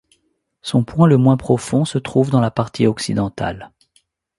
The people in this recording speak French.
Son point le moins profond se trouve dans sa partie occidentale.